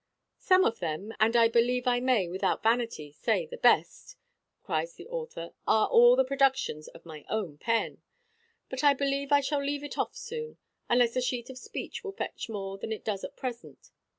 "Some of them, and I believe I may, without vanity, say the best," cries the author, "are all the productions of my own pen! but I believe I shall leave it off soon, unless a sheet of speech will fetch more than it does at present.